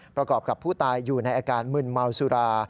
ประกอบกับผู้ตายอยู่ในอาการมึนเมาสุรา